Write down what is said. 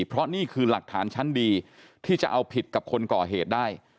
เพราะนี่คือหลักฐานชั้นดีที่จะเอาผิดกับคนก่อเหตุได้